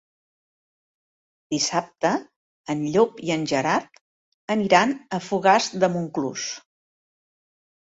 Dissabte en Llop i en Gerard aniran a Fogars de Montclús.